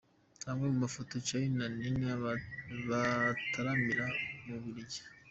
Amwe mu mafoto Charly na Nina bataramira mu bubirigi: .